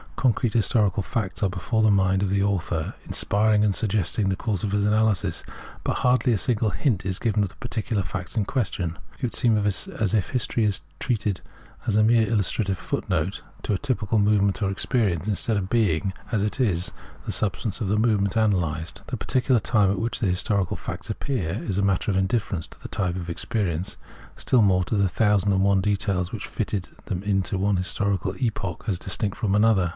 Concrete * V. ante, p. vii. fF. Translator's Introduction xxiii historical facts are before the mind of the author, inspir ing and suggesting the course of his analysis ; but hardly a single hint is given of the particular facts in question. It would seem as if history were treated as a mere illus trative footnote to a typical movement of experience, instead of being, as it is, the substance of the movement analysed. The particular time at which the historical facts appeared is a matter of indifference to the type of experience ; still more so the thousand and one details which fitted them into one historical epoch as distinct from another.